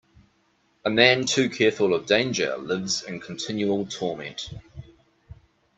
A man too careful of danger lives in continual torment.